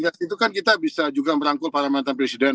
kemudian kita bisa juga merangkul para mantan presiden